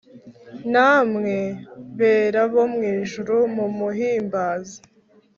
Namwe bera bo mw’ijuru mumuhimbaze